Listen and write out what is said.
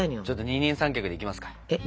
二人三脚でいきますか？